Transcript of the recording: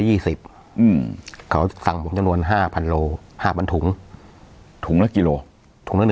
บาทเขาสั่งปกษณวน๕๐๐๐โลบาท๕๐๐๐ถุงถุงแล้วกี่โลถุงน่ะ